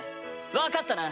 分かったな？